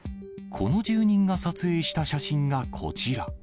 この住人が撮影した写真がこちら。